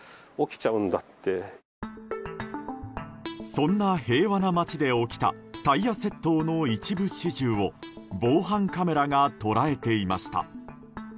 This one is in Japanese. そんな、平和な街で起きたタイヤ窃盗の一部始終を防犯カメラが捉えていました。